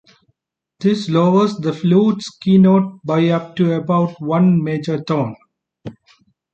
This lowers the flute's keynote by up to about one major tone.